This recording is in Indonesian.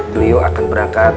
beliau akan berangkat